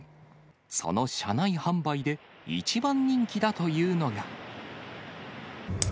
その車内販売で、一番人気だというのが。